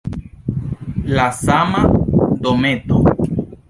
La sama dometo!